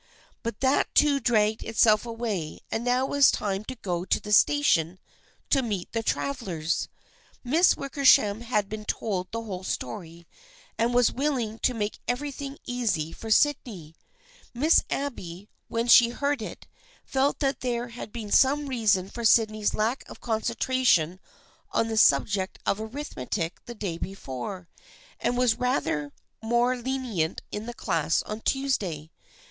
But that too dragged itself away, and now it was time to go to the station to meet the travelers. Miss Wicker sham had been told the whole story and was will 308 THE FRIENDSHIP OF ANNE ing to make everything easy^for Sydney. Miss Abby, when she heard it, felt that there had been some reason for Sydney's lack of concentration on the subject of arithmetic the day before, and was rather more lenient in the class of Tuesday.